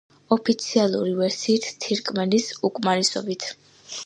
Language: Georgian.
ოფიციალური ვერსიით თირკმლის უკმარისობით.